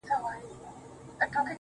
او د خپل زړه په تصور كي مي.